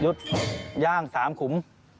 หยุดย่าง๓ขุม